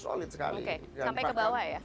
solid sekali sampai ke bawah ya